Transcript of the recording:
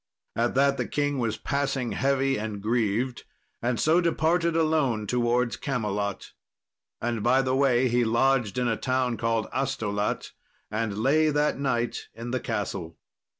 At that the king was passing heavy and grieved, and so departed alone towards Camelot. And by the way he lodged in a town called Astolat, and lay that night in the castle.